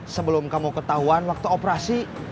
sebelum kamu ketahuan waktu operasi